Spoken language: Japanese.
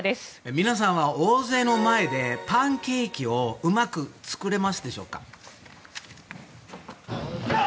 皆さんは大勢の前でパンケーキをうまく作れますでしょうか。